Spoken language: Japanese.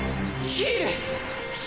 ヒール！